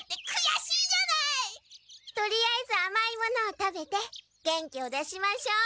とりあえずあまいものを食べて元気を出しましょう。